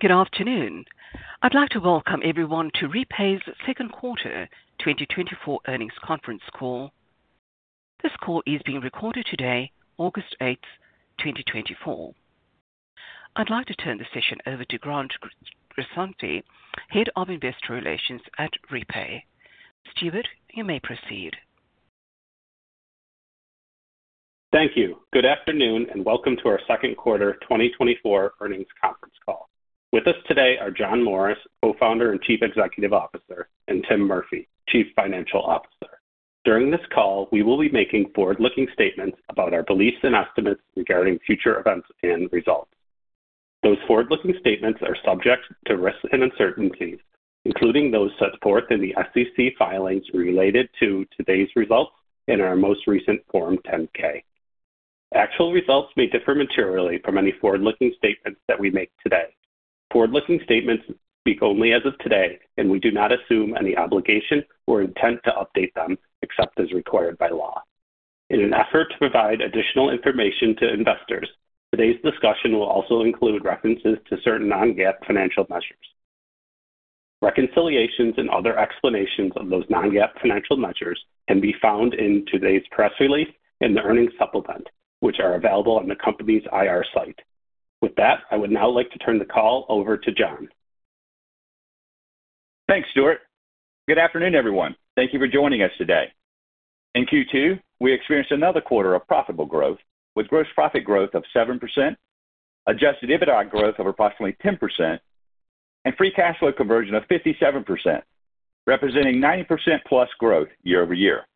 Good afternoon. I'd like to welcome everyone to REPAY's second quarter 2024 earnings conference call. This call is being recorded today, August 8, 2024. I'd like to turn the session over to Grant Grisanti, Head of Investor Relations at REPAY. Stuart, you may proceed. Thank you. Good afternoon, and welcome to our second quarter 2024 earnings conference call. With us today are John Morris, Co-founder and Chief Executive Officer, and Tim Murphy, Chief Financial Officer. During this call, we will be making forward-looking statements about our beliefs and estimates regarding future events and results. Those forward-looking statements are subject to risks and uncertainties, including those set forth in the SEC filings related to today's results and our most recent Form 10-K. Actual results may differ materially from any forward-looking statements that we make today. Forward-looking statements speak only as of today, and we do not assume any obligation or intent to update them, except as required by law. In an effort to provide additional information to investors, today's discussion will also include references to certain non-GAAP financial measures. Reconciliations and other explanations of those non-GAAP financial measures can be found in today's press release and the earnings supplement, which are available on the company's IR site. With that, I would now like to turn the call over to John. Thanks, Stuart. Good afternoon, everyone. Thank you for joining us today. In Q2, we experienced another quarter of profitable growth, with gross profit growth of 7%, Adjusted EBITDA growth of approximately 10%, and free cash flow conversion of 57%, representing 90%+ growth year-over-year,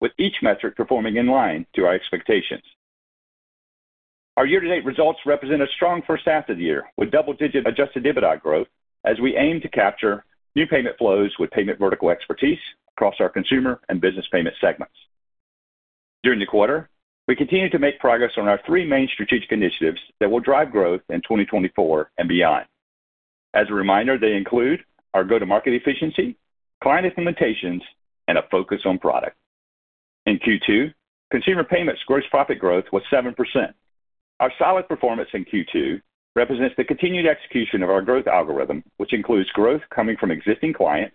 with each metric performing in line to our expectations. Our year-to-date results represent a strong first half of the year, with double-digit Adjusted EBITDA growth as we aim to capture new payment flows with payment vertical expertise across our consumer and business payment segments. During the quarter, we continued to make progress on our three main strategic initiatives that will drive growth in 2024 and beyond. As a reminder, they include our go-to-market efficiency, client implementations, and a focus on product. In Q2, consumer payments gross profit growth was 7%. Our solid performance in Q2 represents the continued execution of our growth algorithm, which includes growth coming from existing clients,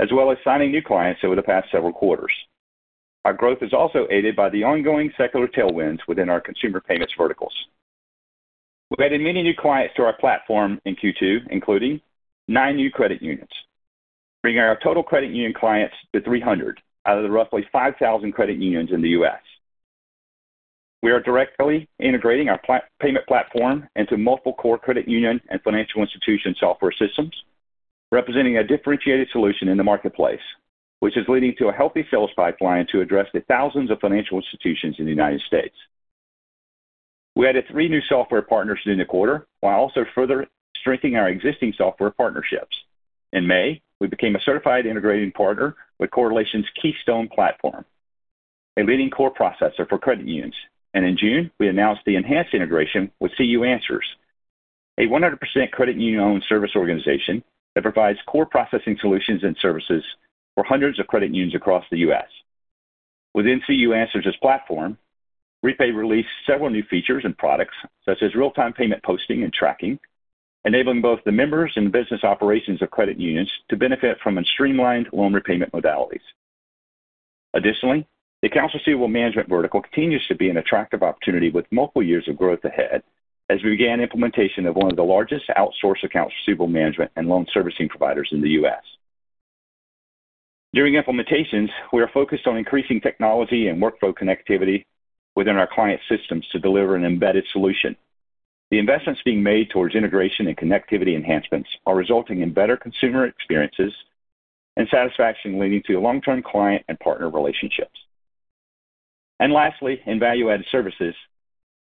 as well as signing new clients over the past several quarters. Our growth is also aided by the ongoing secular tailwinds within our consumer payments verticals. We've added many new clients to our platform in Q2, including 9 new credit unions, bringing our total credit union clients to 300 out of the roughly 5,000 credit unions in the U.S. We are directly integrating our payment platform into multiple core credit union and financial institution software systems, representing a differentiated solution in the marketplace, which is leading to a healthy sales pipeline to address the thousands of financial institutions in the United States. We added 3 new software partners during the quarter, while also further strengthening our existing software partnerships. In May, we became a certified integrating partner with Corelation's KeyStone platform, a leading core processor for credit unions, and in June, we announced the enhanced integration with CU*Answers, a 100% credit union-owned service organization that provides core processing solutions and services for hundreds of credit unions across the US. Within CU*Answers' platform, REPAY released several new features and products, such as real-time payment posting and tracking, enabling both the members and business operations of credit unions to benefit from a streamlined loan repayment modalities. Additionally, the accounts receivable management vertical continues to be an attractive opportunity with multiple years of growth ahead as we began implementation of one of the largest outsourced accounts receivable management and loan servicing providers in the US. During implementations, we are focused on increasing technology and workflow connectivity within our client systems to deliver an embedded solution. The investments being made towards integration and connectivity enhancements are resulting in better consumer experiences and satisfaction, leading to long-term client and partner relationships. And lastly, in value-added services,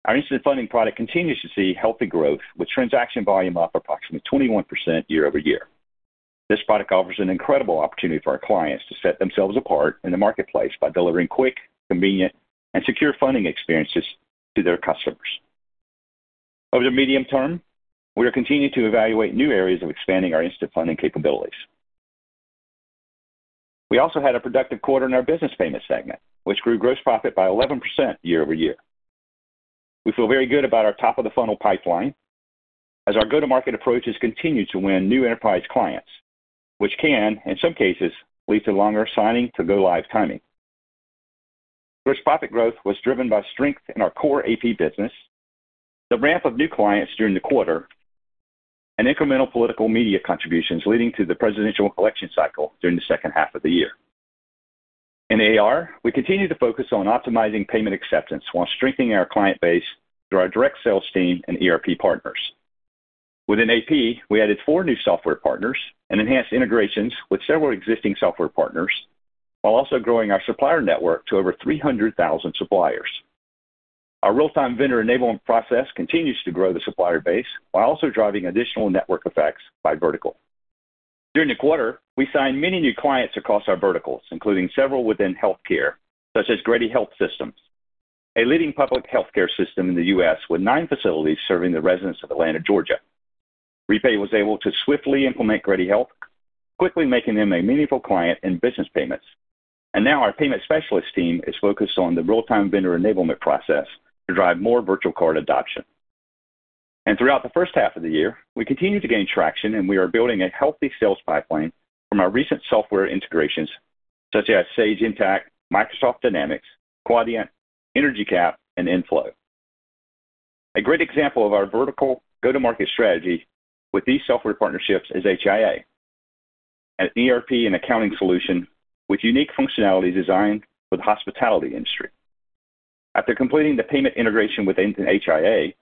our instant funding product continues to see healthy growth, with transaction volume up approximately 21% year-over-year. This product offers an incredible opportunity for our clients to set themselves apart in the marketplace by delivering quick, convenient, and secure funding experiences to their customers. Over the medium term, we are continuing to evaluate new areas of expanding our instant funding capabilities. We also had a productive quarter in our business payments segment, which grew gross profit by 11% year-over-year. We feel very good about our top-of-the-funnel pipeline as our go-to-market approaches continue to win new enterprise clients, which can, in some cases, lead to longer signing to go live timing. Gross profit growth was driven by strength in our core AP business, the ramp of new clients during the quarter, and incremental political media contributions leading to the presidential election cycle during the second half of the year. In AR, we continue to focus on optimizing payment acceptance while strengthening our client base through our direct sales team and ERP partners. Within AP, we added 4 new software partners and enhanced integrations with several existing software partners, while also growing our supplier network to over 300,000 suppliers. Our real-time vendor enablement process continues to grow the supplier base while also driving additional network effects by vertical. During the quarter, we signed many new clients across our verticals, including several within healthcare, such as Grady Health System, a leading public healthcare system in the U.S. with 9 facilities serving the residents of Atlanta, Georgia. REPAY was able to swiftly implement Grady Health System, quickly making them a meaningful client in business payments. Now our payment specialist team is focused on the real-time vendor enablement process to drive more virtual card adoption. Throughout the first half of the year, we continued to gain traction, and we are building a healthy sales pipeline from our recent software integrations, such as Sage Intacct, Microsoft Dynamics, Quadient, EnergyCAP, and Infor. A great example of our vertical go-to-market strategy with these software partnerships is HIA, an ERP and accounting solution with unique functionality designed for the hospitality industry. After completing the payment integration with HIA,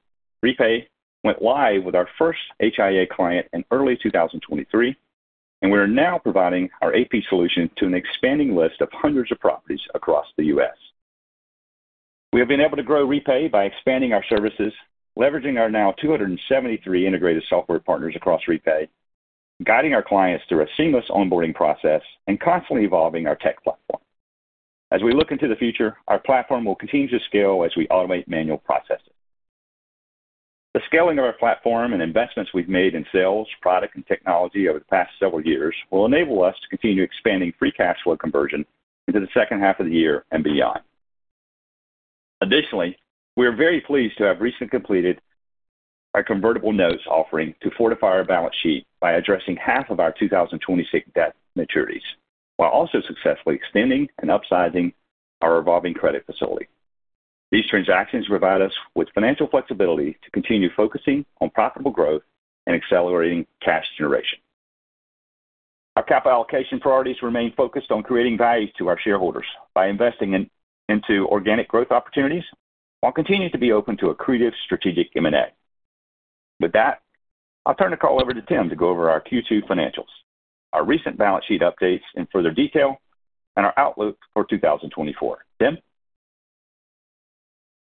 REPAY went live with our first HIA client in early 2023, and we are now providing our AP solution to an expanding list of hundreds of properties across the U.S. We have been able to grow REPAY by expanding our services, leveraging our now 273 integrated software partners across REPAY, guiding our clients through a seamless onboarding process, and constantly evolving our tech platform. As we look into the future, our platform will continue to scale as we automate manual processes. The scaling of our platform and investments we've made in sales, product, and technology over the past several years will enable us to continue expanding free cash flow conversion into the second half of the year and beyond. Additionally, we are very pleased to have recently completed our convertible notes offering to fortify our balance sheet by addressing half of our 2026 debt maturities, while also successfully extending and upsizing our revolving credit facility. These transactions provide us with financial flexibility to continue focusing on profitable growth and accelerating cash generation. Our capital allocation priorities remain focused on creating value to our shareholders by investing into organic growth opportunities, while continuing to be open to accretive strategic M&A. With that, I'll turn the call over to Tim to go over our Q2 financials, our recent balance sheet updates in further detail, and our outlook for 2024. Tim?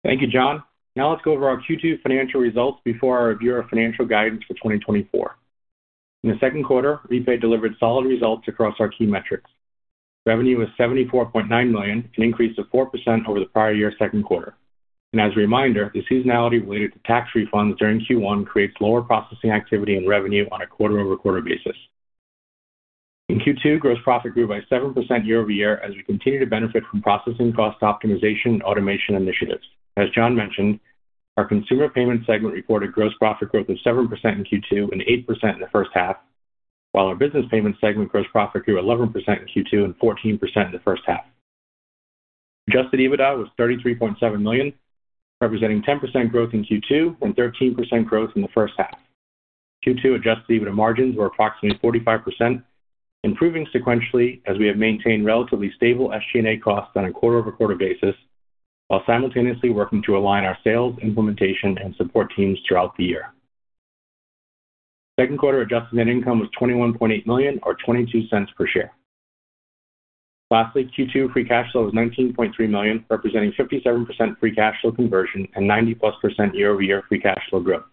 Thank you, John. Now let's go over our Q2 financial results before our review of financial guidance for 2024. In the second quarter, REPAY delivered solid results across our key metrics. Revenue was $74.9 million, an increase of 4% over the prior year's second quarter. As a reminder, the seasonality related to tax refunds during Q1 creates lower processing activity and revenue on a quarter-over-quarter basis. In Q2, gross profit grew by 7% year-over-year as we continue to benefit from processing cost optimization and automation initiatives. As John mentioned, our consumer payment segment reported gross profit growth of 7% in Q2 and 8% in the first half, while our business payments segment gross profit grew 11% in Q2 and 14% in the first half. Adjusted EBITDA was $33.7 million, representing 10% growth in Q2 and 13% growth in the first half. Q2 adjusted EBITDA margins were approximately 45%, improving sequentially as we have maintained relatively stable SG&A costs on a quarter-over-quarter basis, while simultaneously working to align our sales, implementation, and support teams throughout the year. Second quarter adjusted net income was $21.8 million, or $0.22 per share. Lastly, Q2 free cash flow was $19.3 million, representing 57% free cash flow conversion and 90%+ year-over-year free cash flow growth.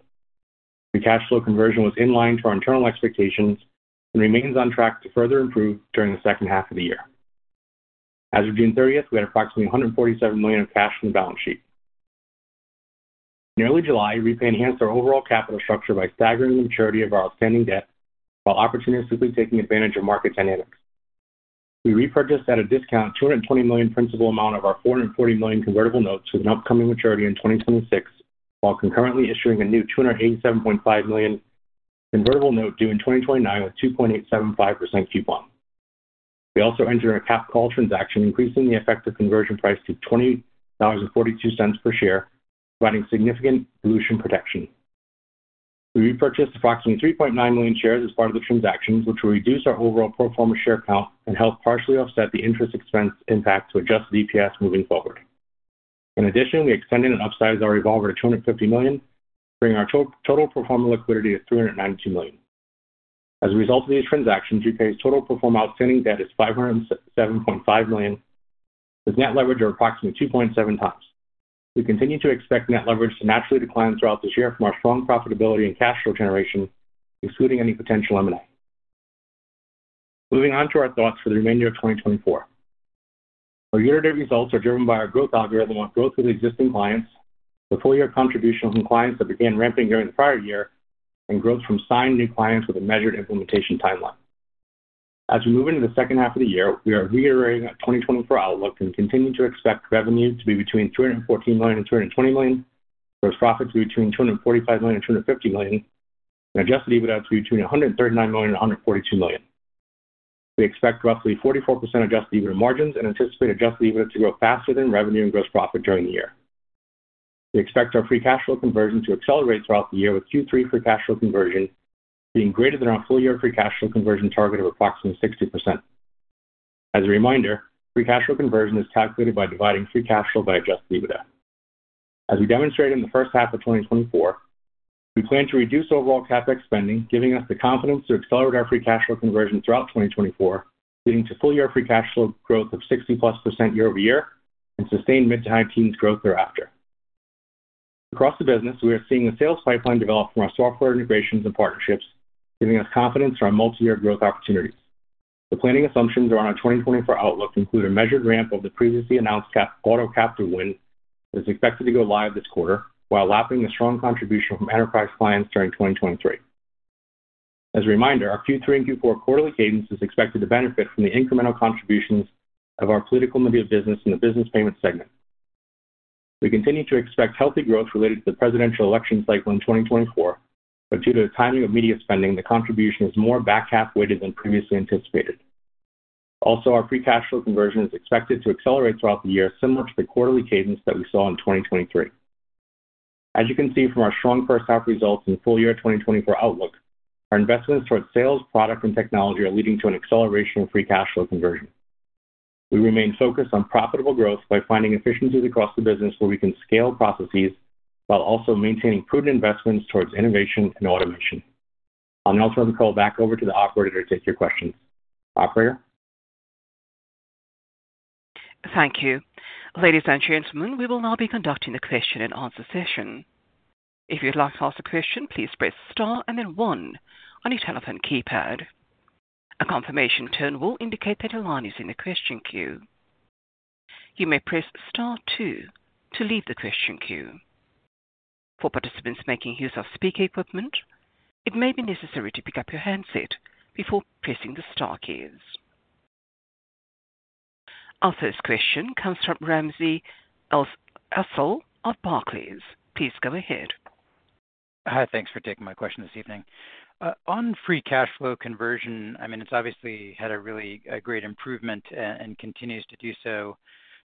Free cash flow conversion was in line to our internal expectations and remains on track to further improve during the second half of the year. As of June 30, we had approximately $147 million in cash on the balance sheet. In early July, REPAY enhanced our overall capital structure by staggering the maturity of our outstanding debt while opportunistically taking advantage of market dynamics. We repurchased at a discount, $220 million principal amount of our $440 million convertible notes with an upcoming maturity in 2026, while concurrently issuing a new $287.5 million convertible note due in 2029, with 2.875% coupon. We also entered a capped call transaction, increasing the effective conversion price to $20.42 per share, providing significant dilution protection. We repurchased approximately 3.9 million shares as part of the transaction, which will reduce our overall pro forma share count and help partially offset the interest expense impact to adjusted EPS moving forward. In addition, we extended and upsized our revolver to $250 million, bringing our total pro forma liquidity to $392 million. As a result of these transactions, REPAY's total pro forma outstanding debt is $507.5 million, with net leverage of approximately 2.7x. We continue to expect net leverage to naturally decline throughout this year from our strong profitability and cash flow generation, excluding any potential M&A. Moving on to our thoughts for the remainder of 2024. Our year-to-date results are driven by our growth algorithm on growth with existing clients, the full-year contribution from clients that began ramping during the prior year, and growth from signed new clients with a measured implementation timeline. As we move into the second half of the year, we are reiterating our 2024 outlook and continue to expect revenue to be between $314 million and $320 million, gross profit to be between $245 million and $250 million, and adjusted EBITDA to be between $139 million and $142 million. We expect roughly 44% adjusted EBITDA margins and anticipate adjusted EBITDA to grow faster than revenue and gross profit during the year. We expect our free cash flow conversion to accelerate throughout the year, with Q3 free cash flow conversion being greater than our full-year free cash flow conversion target of approximately 60%. As a reminder, free cash flow conversion is calculated by dividing free cash flow by adjusted EBITDA. As we demonstrated in the first half of 2024, we plan to reduce overall CapEx spending, giving us the confidence to accelerate our free cash flow conversion throughout 2024, leading to full-year free cash flow growth of 60+% year-over-year and sustained mid- to high-teens growth thereafter. Across the business, we are seeing the sales pipeline develop from our software integrations and partnerships, giving us confidence in our multi-year growth opportunities. ...The planning assumptions around our 2024 outlook include a measured ramp of the previously announced auto captive win that is expected to go live this quarter, while lapping a strong contribution from enterprise clients during 2023. As a reminder, our Q3 and Q4 quarterly cadence is expected to benefit from the incremental contributions of our political media business in the business payments segment. We continue to expect healthy growth related to the presidential election cycle in 2024, but due to the timing of media spending, the contribution is more back-half weighted than previously anticipated. Also, our free cash flow conversion is expected to accelerate throughout the year, similar to the quarterly cadence that we saw in 2023. As you can see from our strong first half results in full year 2024 outlook, our investments towards sales, product and technology are leading to an acceleration of free cash flow conversion. We remain focused on profitable growth by finding efficiencies across the business where we can scale processes while also maintaining prudent investments towards innovation and automation. I'll now turn the call back over to the operator to take your questions. Operator? Thank you. Ladies and gentlemen, we will now be conducting a question-and-answer session. If you'd like to ask a question, please press Star and then one on your telephone keypad. A confirmation tone will indicate that your line is in the question queue. You may press Star two to leave the question queue. For participants making use of speaker equipment, it may be necessary to pick up your handset before pressing the star keys. Our first question comes from Ramsey El-Assal of Barclays. Please go ahead. Hi, thanks for taking my question this evening. On free cash flow conversion, I mean, it's obviously had a really great improvement and continues to do so.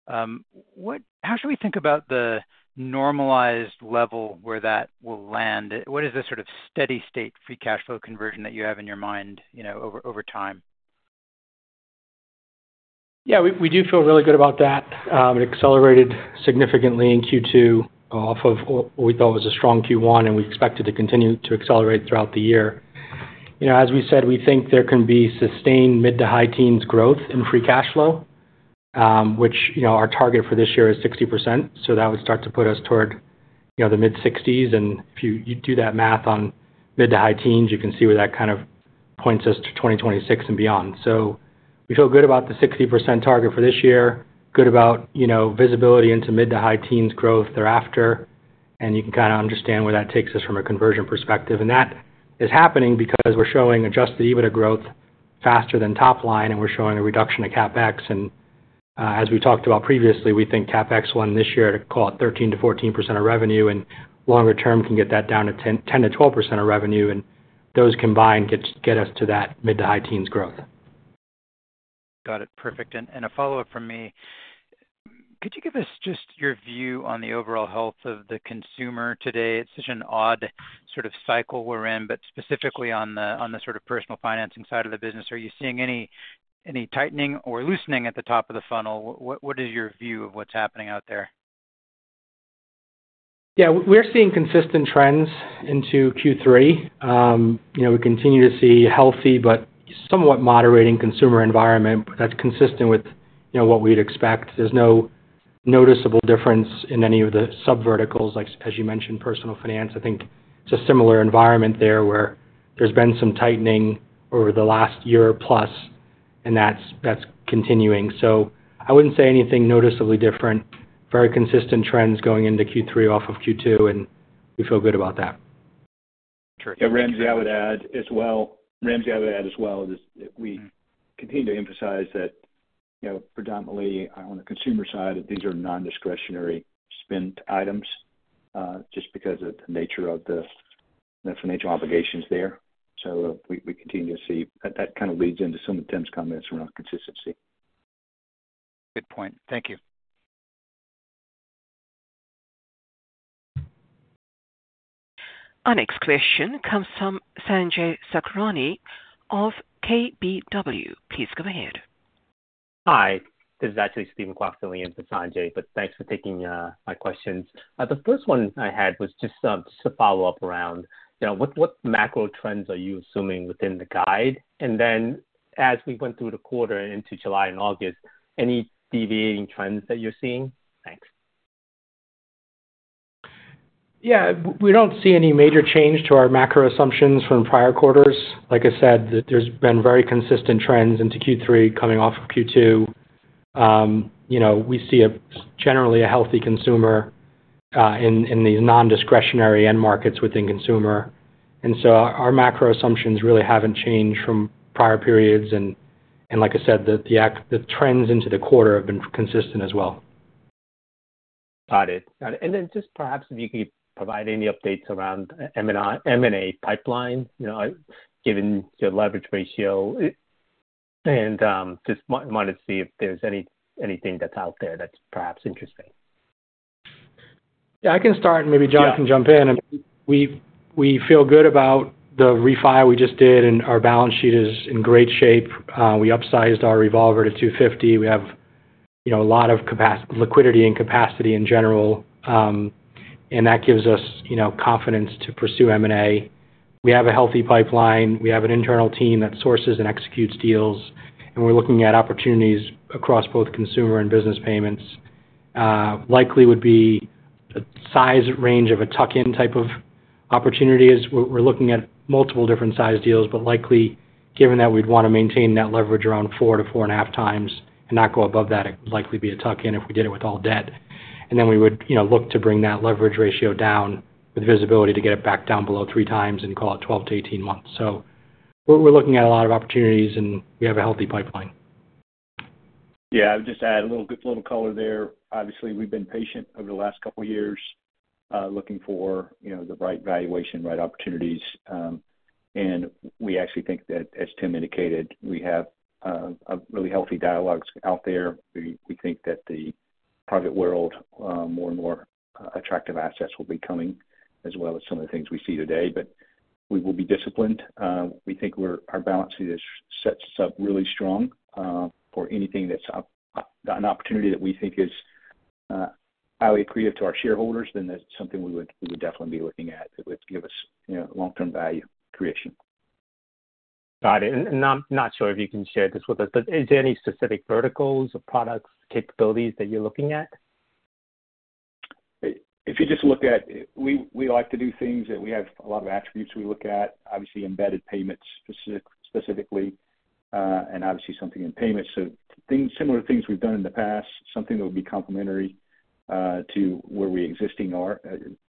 How should we think about the normalized level where that will land? What is the sort of steady state free cash flow conversion that you have in your mind, you know, over time? Yeah, we do feel really good about that. It accelerated significantly in Q2 off of what we thought was a strong Q1, and we expected to continue to accelerate throughout the year. You know, as we said, we think there can be sustained mid- to high-teens growth in free cash flow, which, you know, our target for this year is 60%. So that would start to put us toward, you know, the mid-60s. And if you do that math on mid- to high-teens, you can see where that kind of points us to 2026 and beyond. So we feel good about the 60% target for this year. Good about, you know, visibility into mid- to high-teens growth thereafter. And you can kind of understand where that takes us from a conversion perspective. That is happening because we're showing Adjusted EBITDA growth faster than top line, and we're showing a reduction in CapEx. As we talked about previously, we think CapEx run this year to call it 13%-14% of revenue and longer term, can get that down to 10%-12% of revenue. Those combined get us to that mid- to high-teens growth. Got it. Perfect. And, and a follow-up from me: Could you give us just your view on the overall health of the consumer today? It's such an odd sort of cycle we're in, but specifically on the, on the sort of personal financing side of the business, are you seeing any, any tightening or loosening at the top of the funnel? What, what is your view of what's happening out there? Yeah, we're seeing consistent trends into Q3. You know, we continue to see healthy but somewhat moderating consumer environment that's consistent with, you know, what we'd expect. There's no noticeable difference in any of the sub verticals. Like, as you mentioned, personal finance. I think it's a similar environment there, where there's been some tightening over the last year plus, and that's, that's continuing. So I wouldn't say anything noticeably different. Very consistent trends going into Q3 off of Q2, and we feel good about that. Yeah, Ramsey, I would add as well, is we continue to emphasize that, you know, predominantly on the consumer side, these are nondiscretionary spend items, just because of the nature of the financial obligations there. So we continue to see... That kind of leads into some of Tim's comments around consistency. Good point. Thank you. Our next question comes from Sanjay Sakhrani of KBW. Please go ahead. Hi, this is actually Steven Kwok filling in for Sanjay, but thanks for taking my questions. The first one I had was just just to follow up around, you know, what, what macro trends are you assuming within the guide? And then as we went through the quarter into July and August, any deviating trends that you're seeing? Thanks. Yeah, we don't see any major change to our macro assumptions from prior quarters. Like I said, there's been very consistent trends into Q3 coming off of Q2. You know, we see generally a healthy consumer in these nondiscretionary end markets within consumer. And so our macro assumptions really haven't changed from prior periods. And like I said, the trends into the quarter have been consistent as well. Got it. Got it. And then just perhaps if you could provide any updates around M&A pipeline, you know, given your leverage ratio. And just wanted to see if there's anything that's out there that's perhaps interesting. Yeah, I can start and maybe John can jump in. We feel good about the refi we just did, and our balance sheet is in great shape. We upsized our revolver to $250 million. We have, you know, a lot of liquidity and capacity in general, and that gives us, you know, confidence to pursue M&A. We have a healthy pipeline. We have an internal team that sources and executes deals, and we're looking at opportunities across both consumer and business payments. Likely would be a size range of a tuck-in type of opportunity, as we're looking at multiple different size deals, but likely, given that we'd wanna maintain net leverage around 4-4.5x and not go above that, it would likely be a tuck-in if we did it with all debt. And then we would, you know, look to bring that leverage ratio down with visibility to get it back down below three times and call it 12-18 months. So we're looking at a lot of opportunities, and we have a healthy pipeline. Yeah, I would just add a little good little color there. Obviously, we've been patient over the last couple of years, looking for, you know, the right valuation, right opportunities. And we actually think that, as Tim indicated, we have a really healthy dialogue out there. We think that the private world, more and more attractive assets will be coming, as well as some of the things we see today. But we will be disciplined. We think our balance sheet sets us up really strong for anything that's an opportunity that we think is highly accretive to our shareholders, then that's something we would definitely be looking at. It would give us, you know, long-term value creation. Got it. And I'm not sure if you can share this with us, but is there any specific verticals or products, capabilities that you're looking at? If you just look at we like to do things, and we have a lot of attributes we look at. Obviously, embedded payments, specifically, and obviously something in payments. So things similar things we've done in the past, something that would be complementary to where we existing are,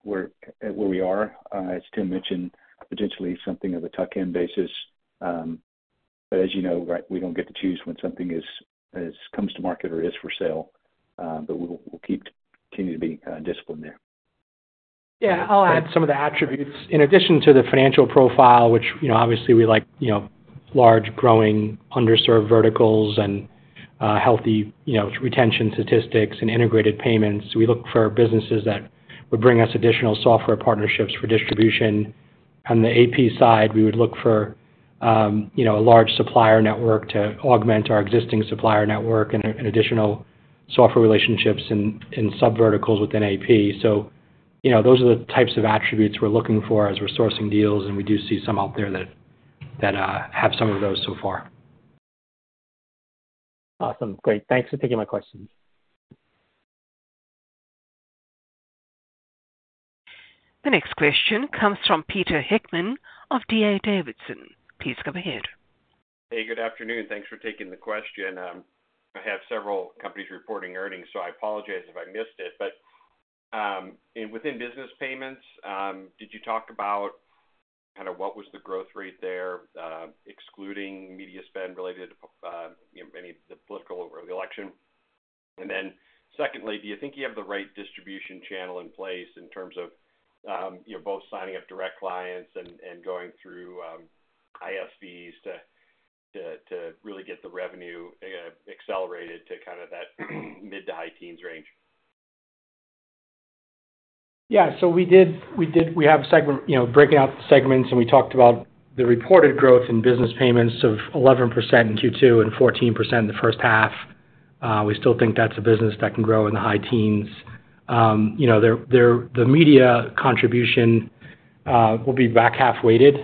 where we are. As Tim mentioned, potentially something of a tuck-in basis. But as you know, right, we don't get to choose when something is comes to market or is for sale, but we'll keep continuing to be disciplined there. Yeah, I'll add some of the attributes. In addition to the financial profile, which, you know, obviously we like, you know, large, growing, underserved verticals and healthy, you know, retention statistics and integrated payments. We look for businesses that would bring us additional software partnerships for distribution. On the AP side, we would look for, you know, a large supplier network to augment our existing supplier network and additional software relationships in subverticals within AP. So, you know, those are the types of attributes we're looking for as we're sourcing deals, and we do see some out there that have some of those so far. Awesome. Great. Thanks for taking my questions. The next question comes from Peter Heckmann of D.A. Davidson. Please go ahead. Hey, good afternoon. Thanks for taking the question. I have several companies reporting earnings, so I apologize if I missed it. But, within business payments, did you talk about kind of what was the growth rate there, excluding media spend related, you know, maybe the political over the election? And then secondly, do you think you have the right distribution channel in place in terms of, you know, both signing up direct clients and, and going through, ISVs to, to, to really get the revenue, accelerated to kind of that mid to high teens range? Yeah. So we have a segment, you know, breaking out the segments, and we talked about the reported growth in business payments of 11% in Q2 and 14% in the first half. We still think that's a business that can grow in the high teens. You know, their media contribution will be back half weighted.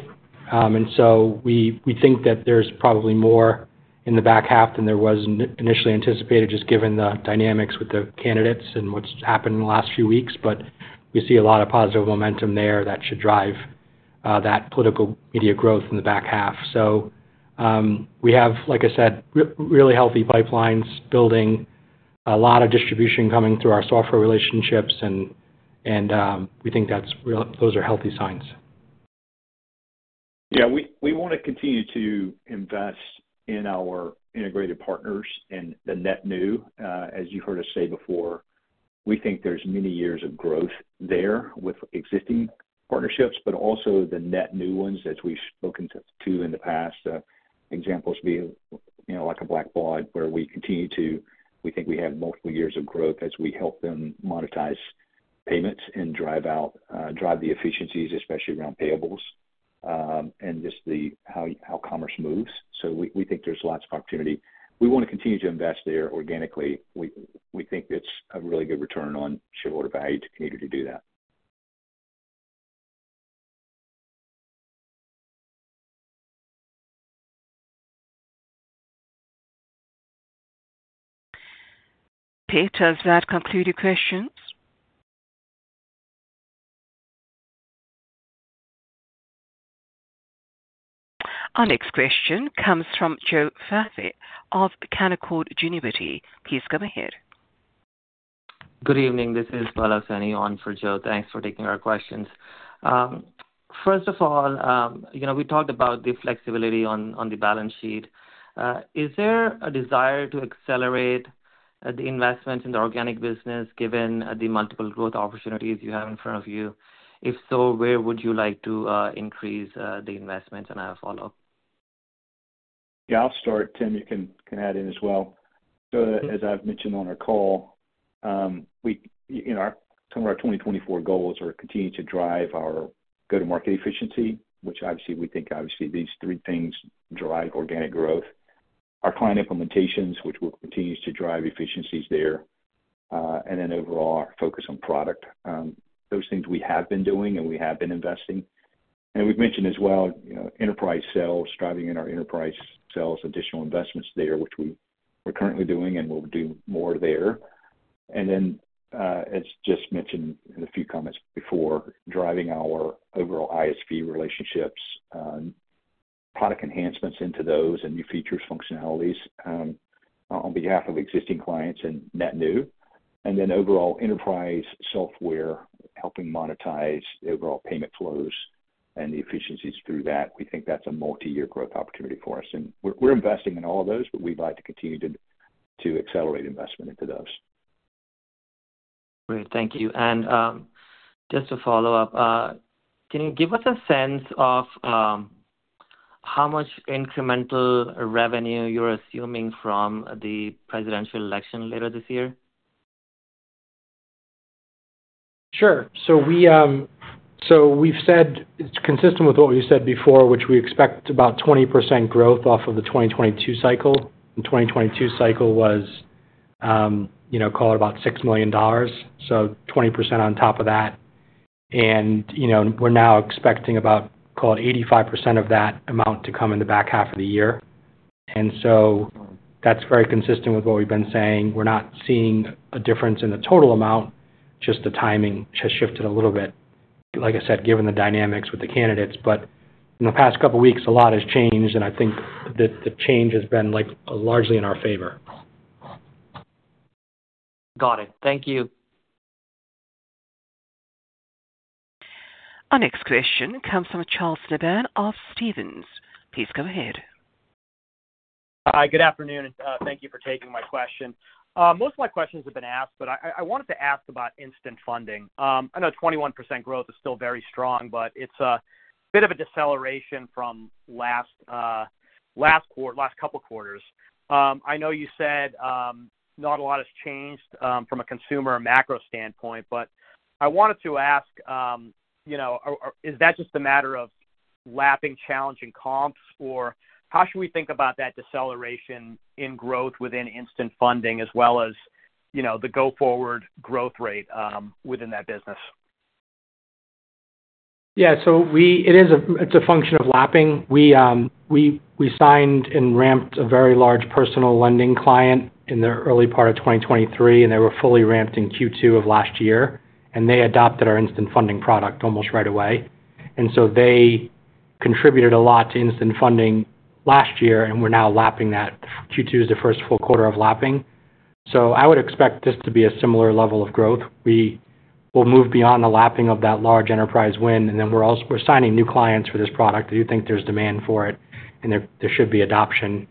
And so we think that there's probably more in the back half than there was initially anticipated, just given the dynamics with the candidates and what's happened in the last few weeks. But we see a lot of positive momentum there that should drive that political media growth in the back half. We have, like I said, really healthy pipelines, building a lot of distribution coming through our software relationships, and we think that's real, those are healthy signs. Yeah, we wanna continue to invest in our integrated partners and the net new. As you heard us say before, we think there's many years of growth there with existing partnerships, but also the net new ones that we've spoken to in the past. Examples being, you know, like a Blackbaud, where we continue to. We think we have multiple years of growth as we help them monetize payments and drive out, drive the efficiencies, especially around payables, and just the how commerce moves. So we think there's lots of opportunity. We wanna continue to invest there organically. We think it's a really good return on shareholder value to continue to do that. Peter, does that conclude your questions? Our next question comes from Joe Vafi of Canaccord Genuity. Please go ahead. Good evening. This is Pallav Saini on for Joe. Thanks for taking our questions. First of all, you know, we talked about the flexibility on, on the balance sheet. Is there a desire to accelerate the investment in the organic business, given the multiple growth opportunities you have in front of you? If so, where would you like to increase the investment? And I have a follow-up. Yeah, I'll start. Tim, you can, you can add in as well. So as I've mentioned on our call, we, you know, some of our 2024 goals are continuing to drive our go-to-market efficiency, which obviously we think obviously these three things drive organic growth. Our client implementations, which will continue to drive efficiencies there, and then overall, our focus on product. Those things we have been doing, and we have been investing. And we've mentioned as well, you know, enterprise sales, driving in our enterprise sales, additional investments there, which we're currently doing, and we'll do more there. And then, as just mentioned in a few comments before, driving our overall ISV relationships, product enhancements into those and new features, functionalities, on behalf of existing clients and net new, and then overall enterprise software, helping monetize the overall payment flows and the efficiencies through that. We think that's a multiyear growth opportunity for us, and we're investing in all those, but we'd like to continue to accelerate investment into those. Great, thank you. And just to follow up, can you give us a sense of how much incremental revenue you're assuming from the presidential election later this year? Sure. So we, so we've said it's consistent with what we said before, which we expect about 20% growth off of the 2022 cycle. The 2022 cycle was, you know, call it about $6 million, so 20% on top of that. And, you know, we're now expecting about, call it, 85% of that amount to come in the back half of the year. And so that's very consistent with what we've been saying. We're not seeing a difference in the total amount, just the timing has shifted a little bit, like I said, given the dynamics with the candidates. But in the past couple of weeks, a lot has changed, and I think that the change has been, like, largely in our favor. Got it. Thank you. Our next question comes from Charles Nabhan of Stephens. Please go ahead. Hi, good afternoon, and thank you for taking my question. Most of my questions have been asked, but I wanted to ask about instant funding. I know 21% growth is still very strong, but it's a bit of a deceleration from last quarter, last couple of quarters. I know you said not a lot has changed from a consumer or macro standpoint, but I wanted to ask, you know, are, is that just a matter of lapping challenging comps? Or how should we think about that deceleration in growth within instant funding as well as, you know, the go-forward growth rate within that business? Yeah, so it is a, it's a function of lapping. We signed and ramped a very large personal lending client in the early part of 2023, and they were fully ramped in Q2 of last year, and they adopted our Instant Funding product almost right away. And so they contributed a lot to Instant Funding last year, and we're now lapping that. Q2 is the first full quarter of lapping, so I would expect this to be a similar level of growth. We will move beyond the lapping of that large enterprise win, and then we're also signing new clients for this product. We do think there's demand for it, and there should be adoption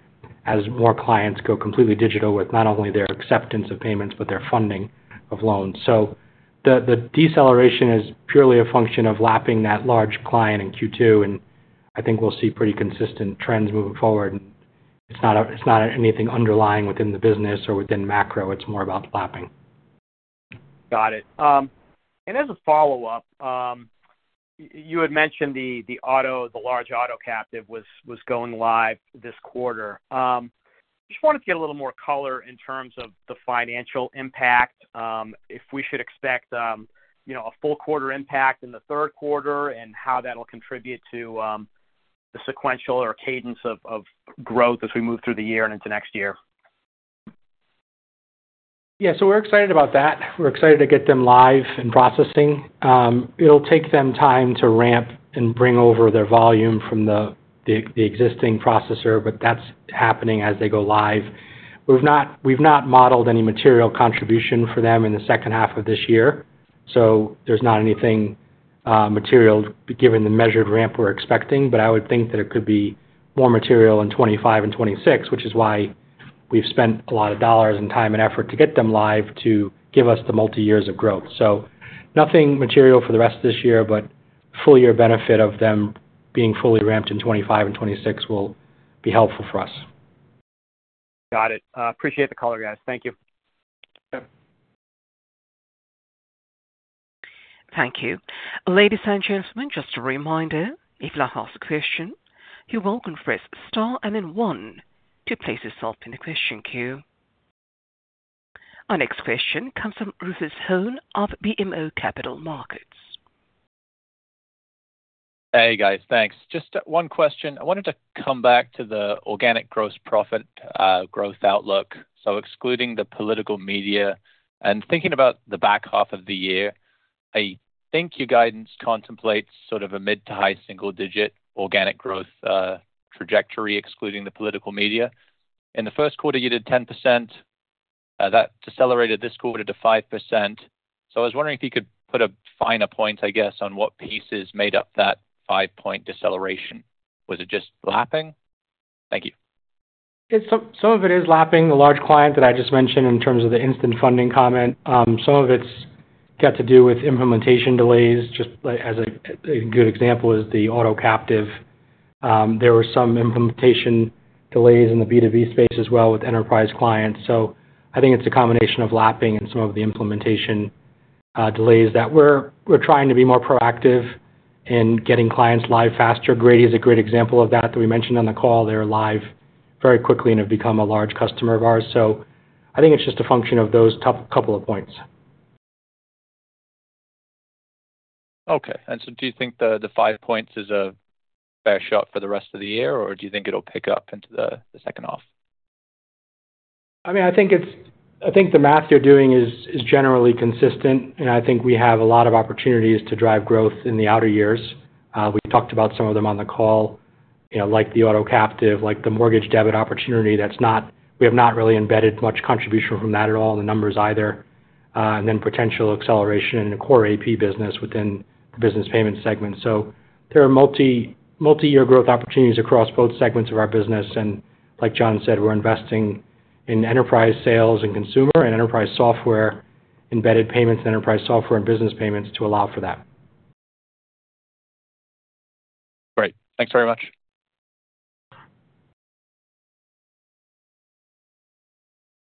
as more clients go completely digital with not only their acceptance of payments but their funding of loans. So the deceleration is purely a function of lapping that large client in Q2, and I think we'll see pretty consistent trends moving forward. It's not anything underlying within the business or within macro. It's more about lapping. Got it. And as a follow-up, you had mentioned the auto, the large auto captive was going live this quarter. Just wanted to get a little more color in terms of the financial impact, if we should expect, you know, a full quarter impact in the third quarter and how that'll contribute to the sequential or cadence of growth as we move through the year and into next year. Yeah, so we're excited about that. We're excited to get them live and processing. It'll take them time to ramp and bring over their volume from the existing processor, but that's happening as they go live. We've not modeled any material contribution for them in the second half of this year, so there's not anything material, given the measured ramp we're expecting. But I would think that it could be more material in 2025 and 2026, which is why we've spent a lot of dollars and time and effort to get them live, to give us the multiyears of growth. So nothing material for the rest of this year, but full year benefit of them being fully ramped in 2025 and 2026 will be helpful for us. Got it. Appreciate the color, guys. Thank you. Yep. Thank you. Ladies and gentlemen, just a reminder, if you'd like to ask a question, you're welcome to press star and then one to place yourself in the question queue. Our next question comes from Rufus Hone of BMO Capital Markets. Hey, guys, thanks. Just one question. I wanted to come back to the organic gross profit growth outlook, so excluding the political media. And thinking about the back half of the year, I think your guidance contemplates sort of a mid- to high-single-digit organic growth trajectory, excluding the political media. In the first quarter, you did 10%. That decelerated this quarter to 5%. So I was wondering if you could put a finer point, I guess, on what pieces made up that 5-point deceleration. Was it just lapping? Thank you. Yeah, some, some of it is lapping the large client that I just mentioned in terms of the instant funding comment. Some of it's got to do with implementation delays, just like as a good example is the auto captive. There were some implementation delays in the B2B space as well with enterprise clients. So I think it's a combination of lapping and some of the implementation delays that we're trying to be more proactive in getting clients live faster. Grady is a great example of that we mentioned on the call. They're live very quickly and have become a large customer of ours. So I think it's just a function of those top couple of points. Okay, and so do you think the five points is a fair shot for the rest of the year, or do you think it'll pick up into the second half? I mean, I think it's—I think the math you're doing is generally consistent, and I think we have a lot of opportunities to drive growth in the outer years. We talked about some of them on the call, you know, like the auto captive, like the mortgage debit opportunity. That's not. We have not really embedded much contribution from that at all in the numbers either, and then potential acceleration in the core AP business within the business payment segment. So there are multi-year growth opportunities across both segments of our business, and like John said, we're investing in enterprise sales and consumer and enterprise software, embedded payments and enterprise software and business payments to allow for that. Great. Thanks very much.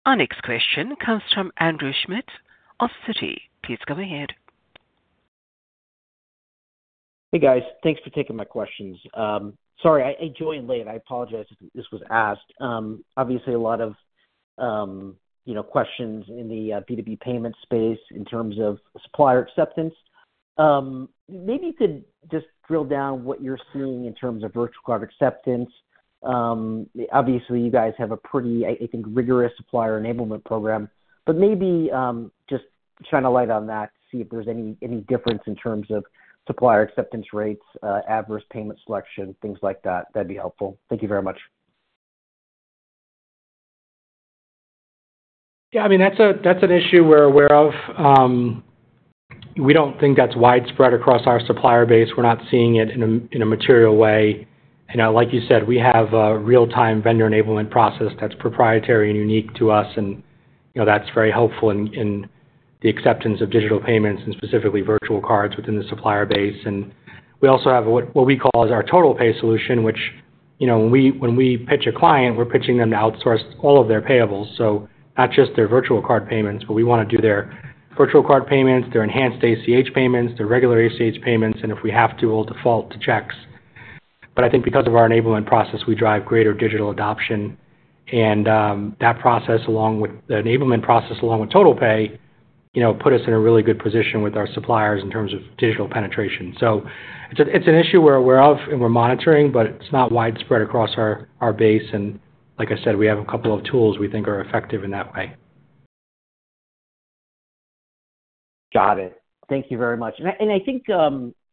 Our next question comes from Andrew Schmitt of Citi. Please go ahead. Hey, guys. Thanks for taking my questions. Sorry, I joined late. I apologize if this was asked. Obviously, a lot of, you know, questions in the B2B payment space in terms of supplier acceptance. Maybe you could just drill down what you're seeing in terms of virtual card acceptance. Obviously, you guys have a pretty, I think, rigorous supplier enablement program, but maybe, just shine a light on that to see if there's any difference in terms of supplier acceptance rates, adverse payment selection, things like that. That'd be helpful. Thank you very much. Yeah, I mean, that's a, that's an issue we're aware of. We don't think that's widespread across our supplier base. We're not seeing it in a material way. You know, like you said, we have a real-time vendor enablement process that's proprietary and unique to us, and, you know, that's very helpful in the acceptance of digital payments and specifically virtual cards within the supplier base. And we also have what we call is our TotalPay solution, which, you know, when we pitch a client, we're pitching them to outsource all of their payables. So not just their virtual card payments, but we wanna do their virtual card payments, their enhanced ACH payments, their regular ACH payments, and if we have to, we'll default to checks. But I think because of our enablement process, we drive greater digital adoption. That process, along with the enablement process, along with TotalPay, you know, put us in a really good position with our suppliers in terms of digital penetration. So it's an issue we're aware of and we're monitoring, but it's not widespread across our base, and like I said, we have a couple of tools we think are effective in that way. Got it. Thank you very much. I think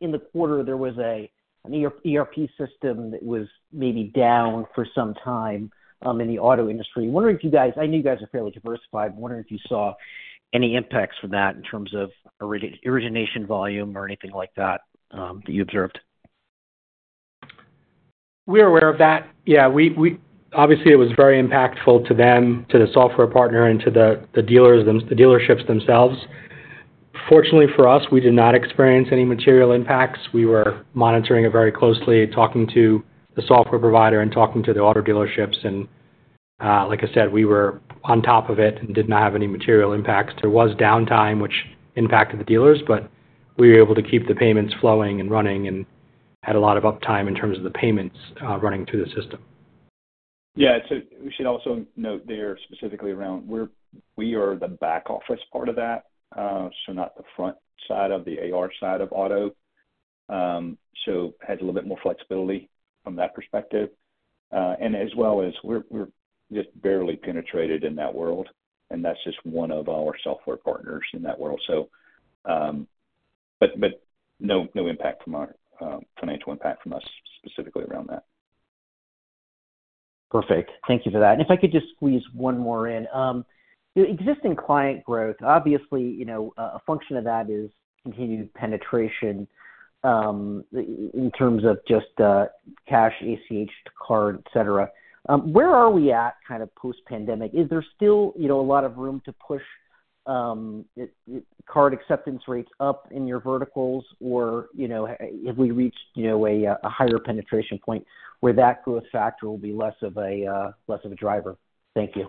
in the quarter, there was an ERP system that was maybe down for some time in the auto industry. I'm wondering if you guys. I know you guys are fairly diversified. I'm wondering if you saw any impacts from that in terms of origination volume or anything like that that you observed. We're aware of that. Yeah, we obviously, it was very impactful to them, to the software partner and to the dealers, the dealerships themselves. Fortunately for us, we did not experience any material impacts. We were monitoring it very closely, talking to the software provider and talking to the auto dealerships, and like I said, we were on top of it and did not have any material impacts. There was downtime, which impacted the dealers, but we were able to keep the payments flowing and running and had a lot of uptime in terms of the payments running through the system. Yeah, so we should also note there, specifically around we are the back office part of that, so not the front side of the AR side of auto. So had a little bit more flexibility from that perspective. And as well as we're just barely penetrated in that world, and that's just one of our software partners in that world. So, but no impact from our financial impact from us, specifically around that. Perfect. Thank you for that. And if I could just squeeze one more in. The existing client growth, obviously, you know, a function of that is continued penetration in terms of just cash, ACH to card, et cetera. Where are we at kind of post-pandemic? Is there still, you know, a lot of room to push card acceptance rates up in your verticals? Or, you know, have we reached a higher penetration point where that growth factor will be less of a driver? Thank you.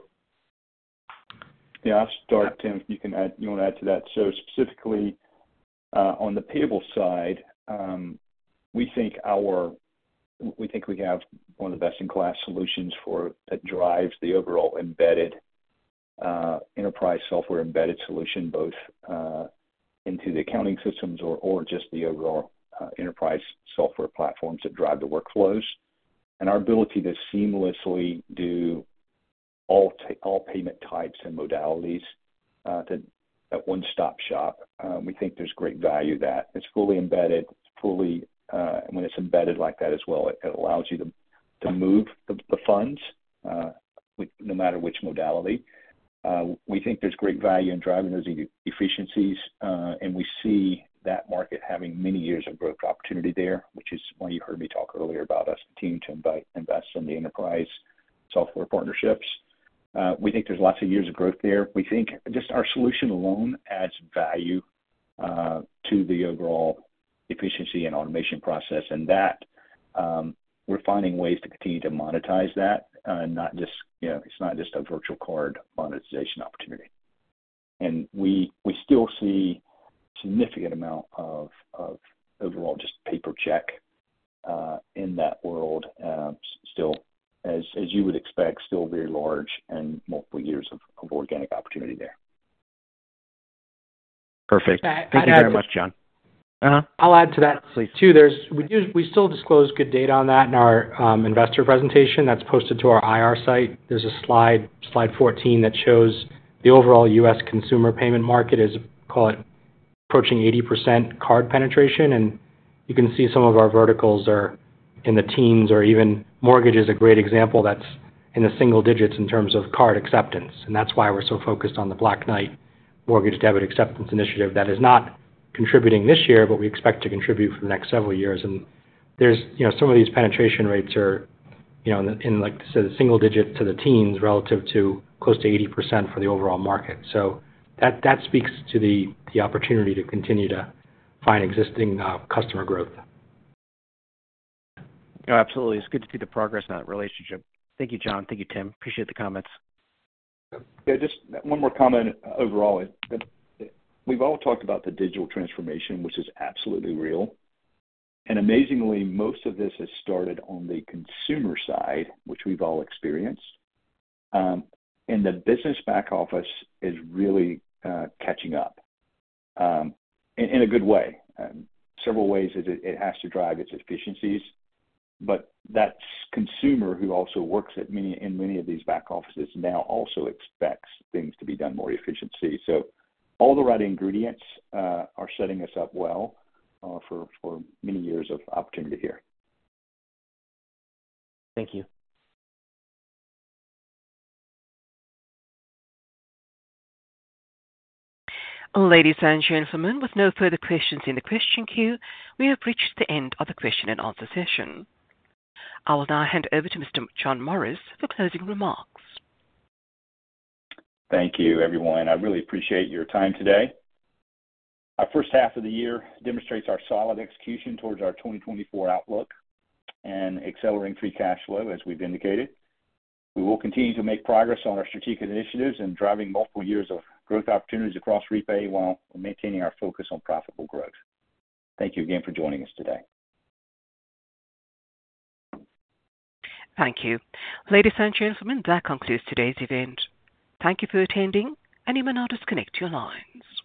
Yeah, I'll start, Tim, you can add, you wanna add to that. So specifically, on the payable side, we think we have one of the best-in-class solutions for... That drives the overall embedded, enterprise software embedded solution, both into the accounting systems or just the overall, enterprise software platforms that drive the workflows. And our ability to seamlessly do all payment types and modalities, to that one-stop shop, we think there's great value to that. It's fully embedded, it's fully and when it's embedded like that as well, it allows you to move the funds with no matter which modality. We think there's great value in driving those efficiencies, and we see that market having many years of growth opportunity there, which is why you heard me talk earlier about us continuing to invest in the enterprise software partnerships. We think there's lots of years of growth there. We think just our solution alone adds value to the overall efficiency and automation process, and that we're finding ways to continue to monetize that, and not just, you know, it's not just a virtual card monetization opportunity. And we still see significant amount of overall just paper check in that world, still, as you would expect, still very large and multiple years of organic opportunity there. Perfect. Thank you very much, John. Uh-huh. I'll add to that, please, too. We still disclose good data on that in our investor presentation that's posted to our IR site. There is a slide 14 that shows the overall U.S. consumer payment market is, call it, approaching 80% card penetration. And you can see some of our verticals are in the teens or even mortgage is a great example that's in the single digits in terms of card acceptance, and that's why we're so focused on the Black Knight mortgage debit acceptance initiative. That is not contributing this year, but we expect to contribute for the next several years. And there is, you know, some of these penetration rates are, you know, in, like, single digit to the teens, relative to close to 80% for the overall market. So that speaks to the opportunity to continue to find existing customer growth. Oh, absolutely. It's good to see the progress in that relationship. Thank you, John. Thank you, Tim. Appreciate the comments. Yeah, just one more comment. Overall, it, we've all talked about the digital transformation, which is absolutely real. And amazingly, most of this has started on the consumer side, which we've all experienced. And the business back office is really catching up in a good way. In several ways, it has to drive its efficiencies, but that's consumer who also works in many of these back offices now also expects things to be done more efficiency. So all the right ingredients are setting us up well for many years of opportunity here. Thank you. Ladies and gentlemen, with no further questions in the question queue, we have reached the end of the question and answer session. I will now hand over to Mr. John Morris for closing remarks. Thank you, everyone. I really appreciate your time today. Our first half of the year demonstrates our solid execution towards our 2024 outlook and accelerating free cash flow as we've indicated. We will continue to make progress on our strategic initiatives and driving multiple years of growth opportunities across REPAY while maintaining our focus on profitable growth. Thank you again for joining us today. Thank you. Ladies and gentlemen, that concludes today's event. Thank you for attending, and you may now disconnect your lines.